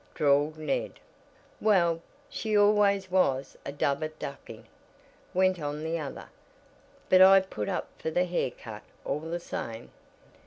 drawled Ned. "Well, she always was a dub at ducking," went on the other, "but I put up for the hair cut all the same."